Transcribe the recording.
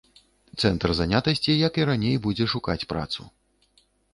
Цэнтр занятасці, як і раней, будзе шукаць працу.